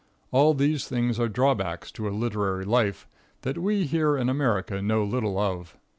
All these things are drawbacks to a literary life, that we here in America know little of.